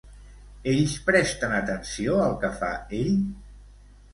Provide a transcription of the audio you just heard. Ells presten atenció al que fa ell?